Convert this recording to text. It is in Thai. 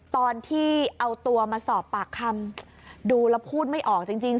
ตอนที่เอาตัวมาสอบปากคำดูแล้วพูดไม่ออกจริง